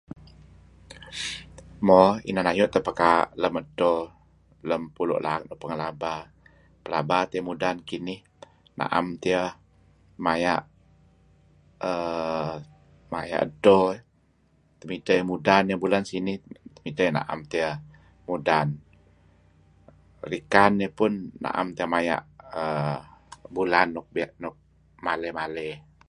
Mo, inan ayu' teh pekaa' lem edto lem pulu' laak nuk pengeh laba. Pelaba tiyeh mudan kinih, na'em tiyeh maya' err maya' edto eh, temidteh eh mudan yeh lem bulan sinih, temidteh na'em tiyeh mudan, rikan yeh pun na'em tiyeh maya' bulan nuk maley-maley.